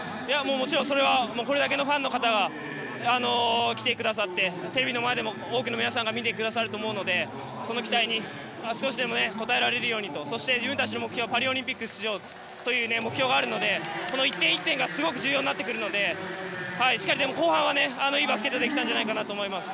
もちろんこれだけのファンの方が来てくださって、テレビの前でも多くの皆さんが見てくださると思うのでその期待に少しでも応えられるようにとそして、自分たちの目標はパリオリンピック出場という目標があるので、この１点１点がすごく重要になってくるのでしっかり後半はいいバスケットができたんじゃないかと思います。